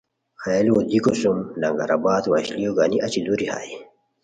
ہیہ ُلوؤ دیکو سُم لنگر آباد وشلیو گانی اچی دُوری ہائے